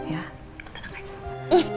ya tenang aja